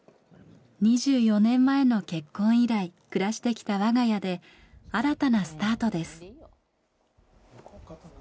２４年前の結婚以来暮らしてきた我が家で新たなスタートです。